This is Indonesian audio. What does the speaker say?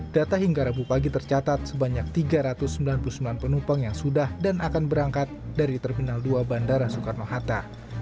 data hingga rabu pagi tercatat sebanyak tiga ratus sembilan puluh sembilan penumpang yang sudah dan akan berangkat dari terminal dua bandara soekarno hatta